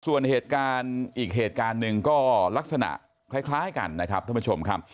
ส่วนอีกเหตุการณ์นึงก็ลักษณะคล้ายกันนะครับดูชมอะครับ